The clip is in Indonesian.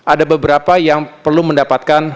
ada beberapa yang perlu mendapatkan